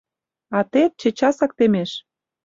Атет чечасак темеш.